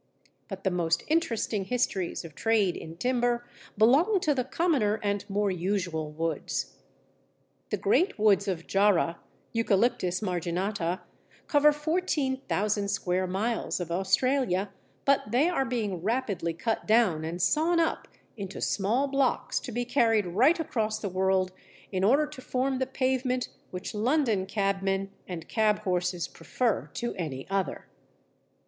But the most interesting histories of trade in timber belong to the commoner and more usual woods. The great woods of Jarrah (Eucalyptus marginata) cover 14,000 square miles of Australia, but they are being rapidly cut down and sawn up into small blocks to be carried right across the world in order to form the pavement which London cabmen and cab horses prefer to any other.